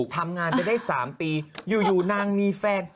ทำงานจะได้๓ปีอยู่นางมีแฟน